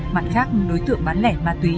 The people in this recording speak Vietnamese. mặt khác đối tượng bán lẻ ma túy